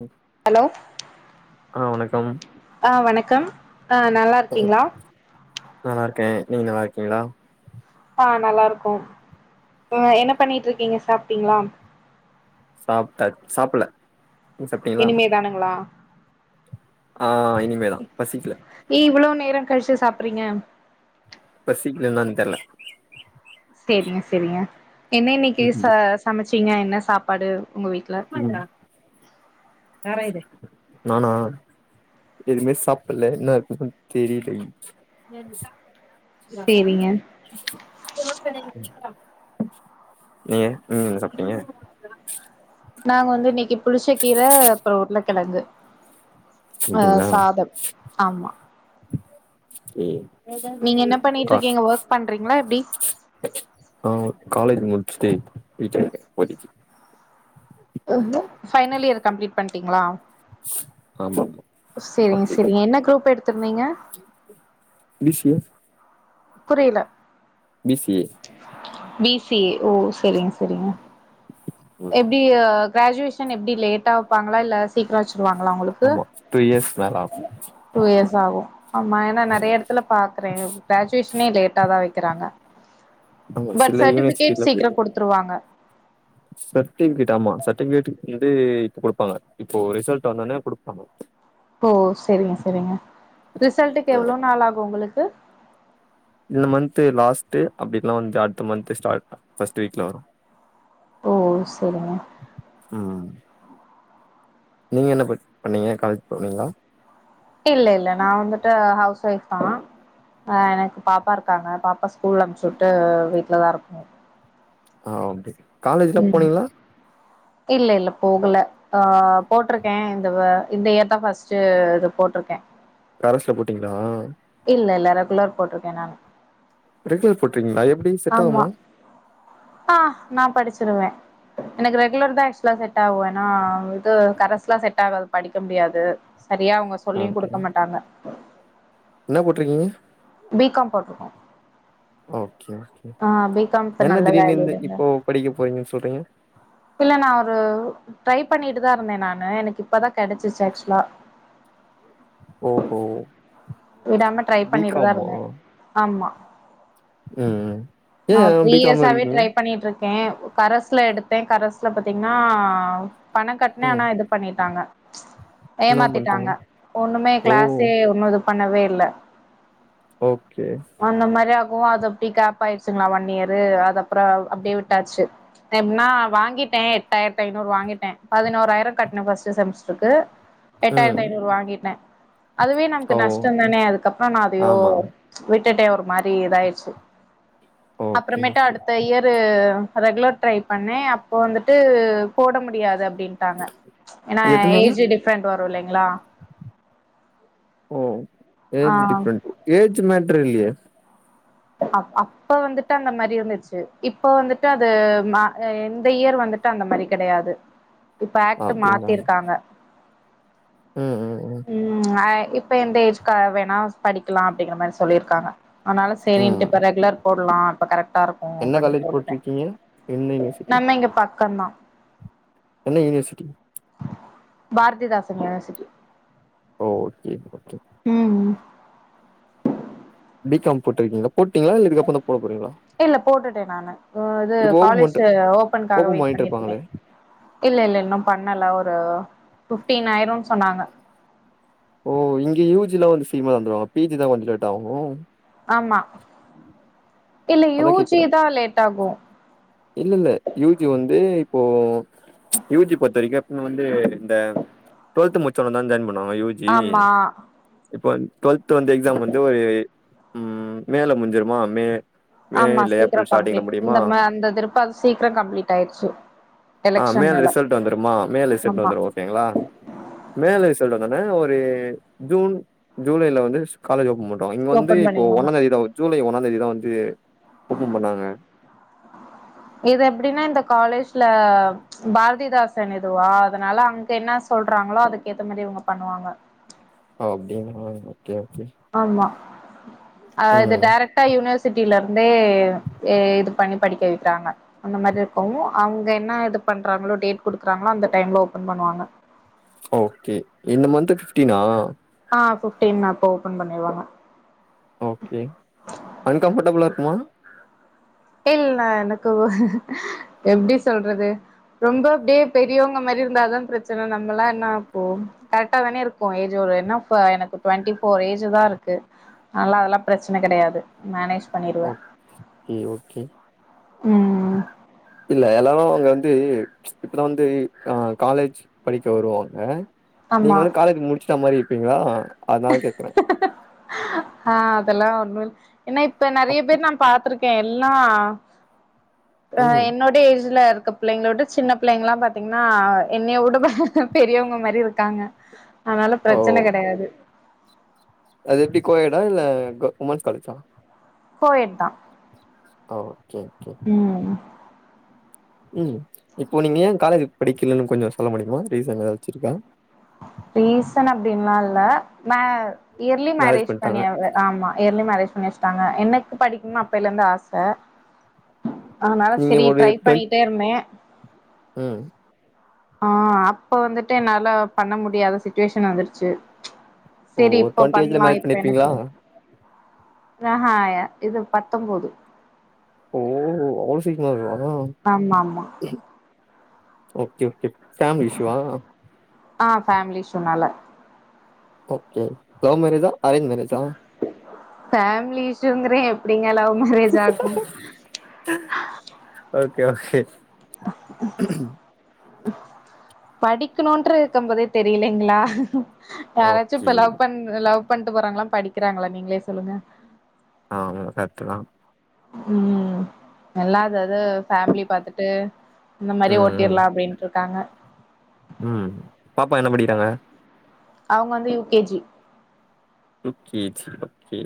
ம் ஹலோ ஆ வணக்கம் ஆ வணக்கம் ஆ நல்லா இருக்கீங்களா நல்லா இருக்கே நீங்க நல்லா இருக்கீங்களா ஆ நல்லா இருக்கோ அ என்ன பண்ணிட்டு இருக்கீங்க சாப்ட்டீங்களா சாப்டாச் சாப்ல இனிமேதானுங்ளா ஆ இனிமே தா பசிக்கல ஏ இவளோ நேர கழிச்சு சாப்பறீங்க பசிக்கல என்னான் தெர்ல சேரிங்க சேரிங்க என்ன இன்னக்கி ம் ச சமச்சீங்க என்ன சாப்பாடு ஒங்க வீட்ல [unintelligible] யாரா இது நானா எதுமே சாப்ல இன்னா இருக்குதுனு தெரிலங் [inaudible] சேரிங்க நீங்க நீங்க என்ன சாப்ட்டீங்க நாங்க வந்து இன்னக்கிப் புளிச்ச கீர அப்றோ உருளக்கெழங்கு ஆ ட்டீங்களா சாதம் ஆமா ம் ஏதாது நீங்க நீ என்ன [unintelligible] பண்ணிட்டு கா இருக்கீங்க ஒர்க் பண்றீங்களா எப்டி ஆ காலேஜ் முடிச்சுட்டு வீட்ல இருக்கே படிச்சு [inaudible] ஃபைனல் இயர் கம்ப்ளீட் பண்ட்டீங்ளா ஆமா சேரிங்க அப்டி சேரிங்க என்ன குரூப் எடுத்துருந்தீங்க பிசிஎ புரில பிசிஎ பிசிஏ ஓ சேரிங்க சேரிங்க ம் எப்டி கிராஜுவேஷன் எப்டி லேட்டா வப்பாங்களா இல்ல சீக்ரோ வச்சுருவாங்களா ஒங்களுக் ஆமா டூ இயர்ஸ் மேலதா டூ இயர்ஸ் ஆகு ஆமா ஏனா நெறைய எடத்துலப் பாக்குறே கிராஜுவேஷனே லேட்டா தா வக்கிறாங்க ஆமா பட் சில யூனிவர்சிட்டில சர்டிஃபிகேட் சீக்ரோ குடுத்துருவாங்க சர்டிஃபிகேட் ஆமா சர்டிஃபிகேட் வந்து இப்ப குடுப்பாங்க இப்போ ரிசல்ட் வந்த உடனே குடுப்பாங்க ஓ சேரிங்க சேரிங்க ரிசல்ட்டுக்கு ஆ. எவ்ளோ நாள் ஆகு உங்களுக்கு இந்த மந்து லாஸ்ட்டு அப்டி இல்னா வந்து அடுத்த மந்த் ஸ்டார்ட் ஃப்ஸ்ட் வீக்ல வரு ஓ சேரிங்க ம் நீங்க என்ன ப பண்ணீங்க காலேஜ் போனீங்களா இல்ல இல்ல நா வந்துட்டு ஹவுஸ் ஒய்ஃப் தா ஆ எனக் பாப்பா இருக்காங்க பாப்பா ஸ்கூல் அனுப்ச்சு வுட்டு வீட்ல தா இருப்போ ஆ ஓகே காலேஜ்லா ம் போனீங்களா இல்லல்ல போகல ஆ போட்ருக்கே இந்தவ இந்த இயர் தா ஃபஸ்ட்டு இது போட்ருக்கே கரஸ்ல போடீங்ளா இல்லல்ல ரெகுலர் போட்ருக்கே நானு ரெகுலர் போட்டீங்ளா எப்டி செட் ஆமா ஆகுமா ஆ நா படிச்சிருவே எனக்கு ரெகுலர் தா ஆக்சுவலா செட் ஆகு ஏனா இது கரஸ்லா செட் ஆகாது படிக்க முடியாது சரியா அவுங்க சொல்லியுங் குடுக்க மாட்டாங்க இன்னா போட்ருக்கீங்க பி காம் போட்ருக்கோ ஓகே ஓகே ஆ பி காம் இப்ப என்ன நல்ல திடீர்னிந் இந்த வேல்யூலங்க இப்போ படிக்க போறீங்கன் சொல்றீங்க இல்ல நா ஒரு ட்ரை பண்ணிட்டு தா இருந்தே நானு எனக்கு இப்பதா கெடச்சிச்சி ஆக்சுலா ஓஹோ விடாம ட்ரை பி பண்ணிட்டுதா காம் ஆ இருந்தே ஆமா ம் ஏ நா ஒரு த்ரீ பி காம் இயர்ஸாவே எடுக்கீங்க ட்ரை பண்ணிட்ருக் கே கரசுல எடுத்தே கரசுல பாத்தீங்கன்னா பணம் கட்னே ம் ஆனா இது பண்ணிட்டாங்க என்ன பண்ட்டாங்க ஏமாத்திட்டாங்க ஒன்னுமே ஓ கிளாஸே ஒன்னு இது பண்ணவே இல்ல ஓகே அந்த மாரி அப்பவு அது அப்டி கேப் ஆயிர்சுங்ளா ஒன் இயரு அது அப்ற அப்டியே விட்டாச்சு எப்ட்னா வாங்கிட்டே எட்டாயிர்த்தைநூறு வாங்கிட்டே பதினோறாயிர கட்ணே ஃபஸ்ட் செம்ஸ்ட்ருக்கு ம் எட்டாயிர்த்தைநூறு வாங்கிட்ட அதுவே நமக்கு ஓ ஓகே நஷ்டந்தானே அதுகப்ற நா அதயோ ஆமா விட்டுட்டே ஒரு மாரி இதாயிருச்சு ஓகே அப்றமேட்டு ஓகே அடுத்த இயர் தூ ரெகுலர் டரை பண்ணே அப்ப வந்துட்டு போட முடியாது அப்டின் டாங்க ஏனா எதுனால ஏஜ் டிஃப்ரண்ட் வரு இல்லைங்ளா ஓ ஆ ஏஜ் டிஃப்ரண்ட் ஏஜ் மேட்ரில்லயே அ அப்ப வந்துட்டு அந்த மாரி இருந்துச்சி இப்ப வந்துட்டு அது ம இந்த இயர் வந்துட் டு அந்த மாரி கெடயாது இப்ப ஆக்ட் அப்டிங்களா மாத்திர்காங்க ம் ம் ம் உம் அ இப்ப எந்த ஏஜ்கா வேணா படிக்லா அப்டிங்கிற மாரி சொல்லிருக்காங்க அதனால செரின்டு ம் இப்ப ரெகுலர் போட்லா அப்ப கரெக்டா இருக் கு என்ன அப்டின்னு காலேஜ் போட்டுட்டே போட்ருக்கீங்க என்ன யூனிவர்சிட்டி நம்ம இங்க பக்கந்தா என்ன யுனிவர்சிட்டி பாரதிதாசன் யுனிவர்சிட்டி ஓ சேர்ப்ப சேர் ம் ம் பி காம் போட்ருக்கீங்களா போட்டீங்களா இல்ல இதுக்கப்றந்தா போடப்போறீங்களா இல்ல போட்டுட்டே நானு ம் இது ஓப்பன் பண்ட்டு காலேஜூ ஓபன்க்காக ஓப்பன் வெயிட் பண்ணிட்டு இருக்கே இருப்பாங்களே இல்ல இல்ல இன்னு பண்ணல ஒரு பிஃப்டீன் ஆயிரு சொன்னாங்க ஓ இங்க யூ ஜ ல்லா வந்து சீக்கமா தொந்துவாங்க பி ஜி தா கொஞ்ச லேட் ஆகு ஆம்மா இல்ல யூ ஜி தா லேட் ஆகு இல்லல்ல யூ ஜி வந்து இப்போ யூ ஜி பொத்த வரைக்கு இவங்க வந்து இந்த டுவெல்த் முடிச்சவ தான் ஜாயின் பண்ணுவாங்க யூ ஜி ஆமா இப்போ டுவெல்த் வந்து எக்ஸாம் வந்து ஒரு ம் மேல முடிஞ்சிருமா மே மே ஆமா இல்ல சீக்ரோ ஏப்ரல் ஸ்டார்டிங்ல கம்ப்ளீட் முடியுமா இந்த ம இந்த திருப்பு அது சீக்ரோ கம்ப்ளீட் ஆயிருச்சு ஆ மேல எலெக்ஷன்னால ரிசல்ட் வந்துருமா மேல ரிசெட் ஆமா வந்துரு கேங்களா மேல ரிசல்ட் வந்தொடனே ஒரு ஜூன் ஜூலைல வந்து காலேஜ் ஓப்பன் பண்றுவா இங்க வந்து ஓபன் இப்போ பண்ணிருவாங்க ஒன்னா தேதிதாவுத் ஜூலை ஒன்னாந் தேதிதா வந்து ஓப்பன் பண்ணாங்க இதெப்டினா இந்த காலேஜ்ல பாரதிதாசன் இதுவா அதனால அங்க என்ன சொல்றாங்களோ அதுக்கேத்த மாரி இவங்க பண்ணுவாங்க ஓ அப்டினா ஓகே ஓகே ஆமா அ இது ம் டேரக் டா யூனிவர்சிட்டியில இருந்தே ஏ இது பண்ணி படிக்க வைக்றாங்க அந்த மாரி இருக்கவு அவங்க என்ன இது பண்றாங்களோ டேட் குடுக்குறாங்களோ அந்த டைம்ல ஓபன் பண்ணுவாங்க ஓகே இந்த மந்த்து ஃபிப்டீனா ஆ ஃபிப்டீன்தா அப்ப ஓபன் பண்ணிருவாங்க ஓகே அன்கம்ஃபர்டபுளா இருக்குமா இல்ல எனக்குவ் எப்டி சொல்றது ரொம்ப அப்டியே பெரியவங்க மாரி இருந்தாதா பிரச்சன நம்மளா என்னா அப்போ கரெக்டா தானே இருக்கோ ஏஜ் ஒரு என்னாஃபு எனக்கு டவெண்ட்டி ஃபோர் ஏஜுதா இருக்கு நாலா அதெல்லா பிரச்சன கெடையாது மேனேஜ் பண்ணிருவே இ ஓகே ம் இல்ல எல்லாரு அங்க வந்த் து இப்போதா வந்து அ காலேஜ் படிக்க வருவாங்க நீங்க ஆமா வந்து காலேஜி முடிச்சிட்ட மாரி இருப்பீங்ளா அதனால கேக்குறே ஹா அதெல்லா ஒண்ணு இல் என்னா இப்ப நெறைய அப் பேர் நா பாத்துருக் கே எல்லா அ ம் என்னோட் ட ஏஜுல இருக்க பிள்ளைங்ள விட சின்ன பிள்ளைங்ளா பாத்தீங்னா என்னையவுடப பெரியவங்க மாரி இருக்காங்க அதனால ஓ பிரச்சன கெடையாது அது எப்டி கோயேடா இல்ல கொ உமன்ஸ் காலேஜா கோயேட் தா ஓ ஓகே ஓகே ம் ம் இப்போ நீங்க ஏ காலேஜு படிக்கலனு கொஞ்சோ சொல்ல முடியுமா ரீசன் எதாச்சு இருக்கா ரீசன் அப்டின்லா இல்ல மே இயர்லி மேரேஜ் பண்ணியவ ஆமா இயர்லி மேரேஜ் பண்ணி வச்ட்டாங்க எனக்கு படிக்கணு அப்பைலருந்து ஆச அதனால நீங்க சரி ட்ரை பண்ணிட்டே இருந்தே உம் ஆ அப்ப வந்துட்டு என்னால பண்ண முடியாத சிச்சுவேஷன் வந்துருச்சு ஓ செரி ஒரு இப்ப டுவெண்டி ஏஜ்ல பண்லா மேரேஜ் இப்ப பண்ணிருப்பீங்களா எனக்கு ஆஹாய இது பத்தொம்போது ஓ அவளோ சீக்கமாவேவா ஆமாமா ஓகே ஓகே ஃபேமிலி இஷ்யூவா ஆ ஃபேமிலி இஷ்யூ நால ஓகே லவ் மேரேஜா அரேஞ் மேரேஜா ஃபேமிலி இஷ்யூங்கிறே எப்டிங்க லவ் மேரேஜ் ஆகு ஓகே ஓகே [inaudible] படிக்கணுற்ற இருக்கு போதே தெரிலைங்ளா யாராச்சு இப்ப ஓகே லவ் பண் லவ் பண்ட்டு போறாங்களா படிக்கறாங்களா நீங்களே சொல்லுங்க ஆ கரட்டுதா ம் எல்லா அதுதது ஃபேமிலி பாத்துட்டு இந்த மாரி ம், ம், ஓட்டிர்லா அப்டின்ட்ருக்காங்க ம் பாப்பா என்ன படிக்கறாங்க அவுங்க வந்து U K G U K G okay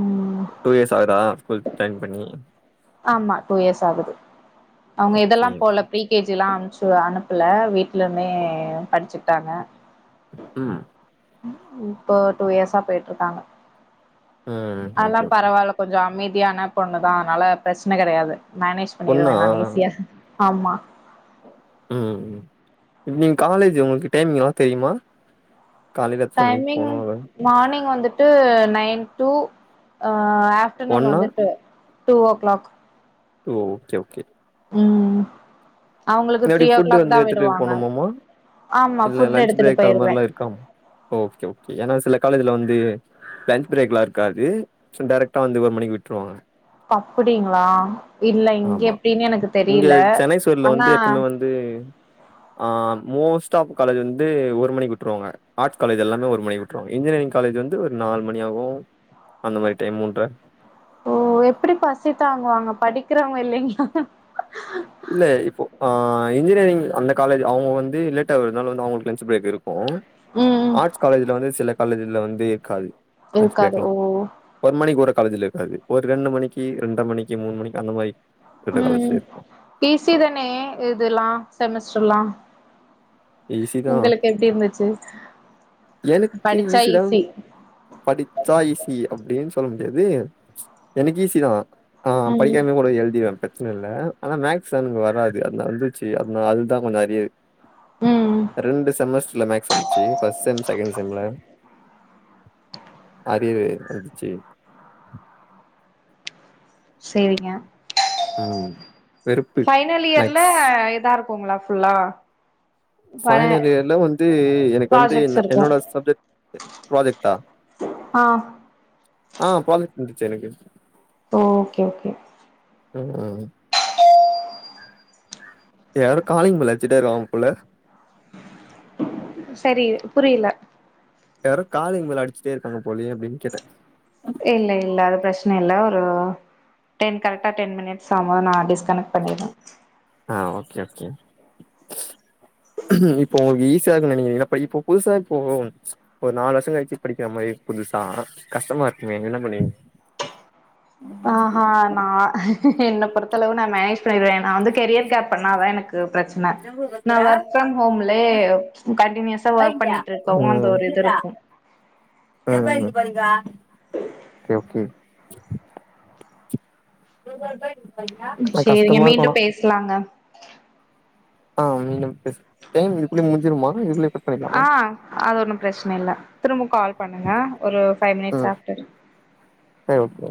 ம் டூ இயர்ஸ் ஆகுதா ஸ்கூல் ஜாயின் பண்ணி ஆமா டூ இயர்ஸ் ஆகுது அவுங்க இதெல்லா ஓகே. போல ப்ரீ கே ஜிலா அனுச்சு அனுப்பல வீட்டலமே படிச்சுட்டாங்க ம் இப்போ டூ இயர்ஸா போயிட்ருக்காங்க ம். அதலா ஓகே, ஓகே. பரவால்ல கொஞ்சோ அமைதியான பொண்ணு தா அதனால பிரச்சன கெடையாது மேனேஜ் பண்ணிருவ பொண்ணா? நானு ஈஸியா ஆமா ம் ம் ம் இப்ப நீங்க காலேஜ் உங்களுக்கு டைம் [unintelligible] தெரிமா டைமிங் மார்னிங் வந்துட்டு நைன் டூ ஆ அப் ஆப்டர்நூன் வந்துட்டு two o'clock two okay okay ம் அவுங்களுக்கு த்ரீ இல்லாட்டி ஓ ஃபுட் கிளாக் தா வந்து எடுத்துட்டு விடுவாங்க போணுமாமா? ஆமா இல்ல ஃபுட் லஞ்ச் எடுத்துட்டு பிரேக் அது போயிருவே மாரிலாம் இருக்காமா? ஓகே ஓகே ஏன்னா சில காலேஜ்ல வந்து லன்ச் பிரேக்லா இருக்காது டைரக்ட்டா வந்து ஒரு மணிக்கு விட்ருவாங்க அப்படிங்களா இல்ல இங்க ஆமா. எப்டின்னு எனக்கு தெரீல அனா அது ஆ மோஸ்ட்டாப் காலேஜ் வந்து ஒரு மணிக்கு விட்ருவாங்க ஆட்ஸ் காலேஜ் எல்லாமே ஒரு மணி உட்ருவாங்க இன்ஜினியரிங் காலேஜ் வந்து ஒரு நாலு மணியாவூ அந்த மாரி டைம் மூன்ற ஓ எப்படி பசித்தாங்குவாங்க படிக்கறவங்க இல்லிங்ளா இல்ல இப்போ ஆ இன்ஜினியரிங் அந்த காலேஜ் அவங்க வந்து லேட்டாவரனால வந்து அவங்களுக்கு லன்ச் பிரேக் இருக் கு ம் ம் ஆர்ட்ஸ் காலேஜ்ல வந்து சில காலேஜ்ல வந்து இருக்காது லன்ச் இருக்காது ஃபிரேக்லா ஓ ஒரு மணிக்கு உற காலேஜ்ல இருக்காது ஒரு ரெண்டு மணிக்கு ரென்ர மணிக்கு மூணு மணிக்கு அந்த மாரி இருக்கிற காலேஜ்ல ம் இருக்கு பீ சி தானே இதுலா செமஸ்டர்ல்லா ஈஸி தா உங்களுக்கு எப்டி இருந்துச்சு எனக்கு படிச்சா ஈசிதா ஈஸி படிச்சா ஈசி அப்டின்னு சொல்ல முடியாது எனக்கு ஈசி தா ஆ ம் படிக்காமே கூ ட எழுதிருவ பிரச்சன இல்ல அனா மேஸ்க்ஸ் எனக்கு வராது அது வந்துச்சு அது நாலுதா கொஞ்ச அரியர் ம் ரெண்டு செமஸ்டர்ல மேக்ஸ் வந்துச்சு ஃபஸ்ட் செம் செகண்ட் செம்ல அரியரு வந்துச்சி சேரிங்க ம். வெறுப்பு பைனல் இயர்ல மேக்ஸ். எதா இருக் குங்ளா ஃபுல்லா ப பைனல் இயர்ல வந்து எனக்கு வந்து ப்ராஜெக்ட்ஸ் என் இருக்கு என்னோட சப்ஜெக்ட் ப்ராஜெக்டா ஆ ஆ ப்ராஜெக்ட் வந்துச்சே எனக்கு ஓ ஓகே ஓகே ம் யாரோ காலிங் பெல் அடிச்சிட்டே இருக்காங்க போல சரி புரியல யாரோ காலிங்பெல்ல அடிச்சுட்டே இருக்காங்க போலியே அப்டின்னு கேட்டே இல்ல இல்ல அது பிரச்ச்ன இல்ல ஒரு டென் கரெக்டா டென் மினிட்ஸ் ஆம் போது நா டிஸ்கனெக்ட் பண்ணிடுவே ஆ ஓகே ஓகே இப்ப உங்களுக்கு ஈஸியா இருக்கு நினைக்கிறீங்ளா இப்ப புதுசா இப்போ ஒரு நாலு வருஷோ கழிச்சு படிக்கிற மாரி புதுசா கஷ்டமாருக்குமே என்ன பண்ணுவீங்க ஆ நா என்ன பொறுத்த அளவு நா மேனேஜ் பண்ணிடுவே நா வந்து கெரியர் கேப் பண்ணாதா எனக்கு பிரச்ன நா ஒர்க் ஃப்ரம் ஹோம்லே கண்டினியூஸா ஒர்க் பண்ணிட்டுருக்கவு அந்த ஒரு இதுருக்கு [unintelligible] ஓ கே ஓ கே கொஞ்சோ கஷ்டமாருக்கு ஆனா இருக்லாங்க ஆ நீங்க பேசுங் டைம் இதுகுள்ளே முஞ்சுடுமா இதுகுல்லே பே ஆ அது ஒண்ணும் பிரச்சன இல்ல திரும்ப கால் பண்ணுங்க ஒரு ஃபைவ் மினிட்ஸ் அஃப்டர் எ ஓ கே